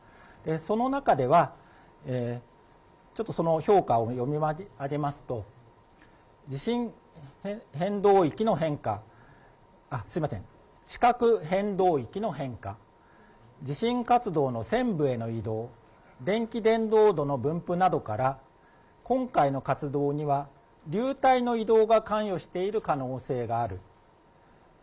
その中では、ちょっとその評価を読み上げますと、地震変動域の変化、すみません、地殻変動域の変化、地震活動のせんぶへの移動、電気でんどう度の分布などから、今回の活動には、りゅうたいの移動が関与している可能性がある。